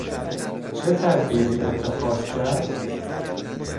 چه تدبیری اتخاذ کرد؟